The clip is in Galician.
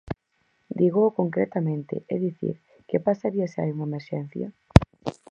Dígoo concretamente, é dicir, ¿que pasaría se hai unha emerxencia?